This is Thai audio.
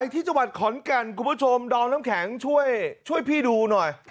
ที่จังหวัดขอนแก่นคุณผู้ชมดอมน้ำแข็งช่วยพี่ดูหน่อย